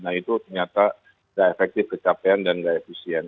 nah itu ternyata tidak efektif kecapean dan nggak efisien